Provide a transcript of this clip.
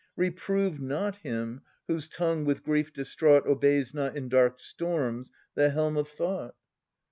Reprove not him, whose tongue, with grief distraught, Obeys not, in dark storms, the helm of thought!